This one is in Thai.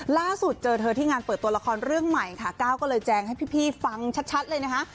ล่าสุดเจอเธอที่งานเปิดตัวละครเรื่องใหม่ค่ะก้าวก็เลยแจงให้พี่ฟังชัดเลยนะคะ